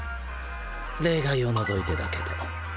例外を除いてだけど。